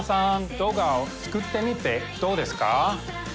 動画を作ってみてどうですか？